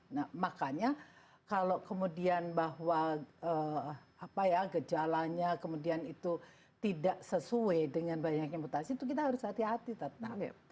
nah makanya kalau kemudian bahwa gejalanya kemudian itu tidak sesuai dengan banyaknya mutasi itu kita harus hati hati tetap